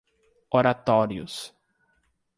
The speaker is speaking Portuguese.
Oratórios